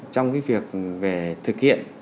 trong cái việc về thực hiện